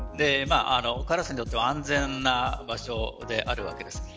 カラスにとっては安全な場所であるわけです。